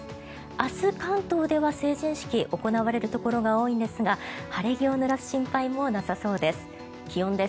明日関東では成人式、行われるところが多いんですが晴れ着をぬらす心配もなさそうです。